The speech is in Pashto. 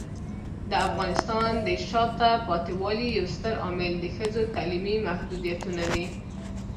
د افغانستان د شاته پاتې والي یو ستر عامل د ښځو تعلیمي محدودیتونه دي.